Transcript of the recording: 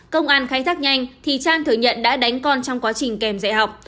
công an khai thác nhanh thì trang thừa nhận đã đánh con trong quá trình kèm dạy học